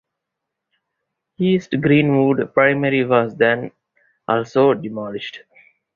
East Greenwood Primary was then also demolished.